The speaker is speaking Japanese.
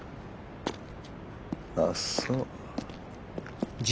あっそう。